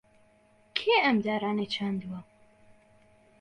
کێ ئەم دارانەی چاندووە؟